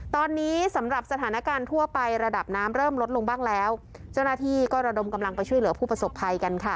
ตอนนี้สำหรับสถานการณ์ทั่วไประดับน้ำเริ่มลดลงบ้างแล้วเจ้าหน้าที่ก็ระดมกำลังไปช่วยเหลือผู้ประสบภัยกันค่ะ